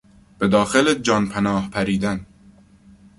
به داخل جانپناه پریدن